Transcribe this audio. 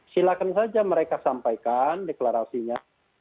silakan saja mereka sampaikan deklarasinya